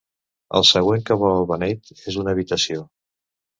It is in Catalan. El següent que vol el beneit és una habitació.